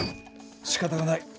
しかたがない。